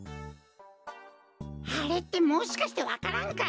あれってもしかしてわか蘭か！？